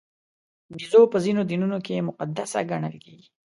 بیزو په ځینو دینونو کې مقدس ګڼل کېږي.